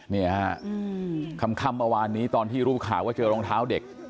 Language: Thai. นี่คำประวัตินี้ตอนที่รูปข่าวว่าเจอรองเท้าเด็ก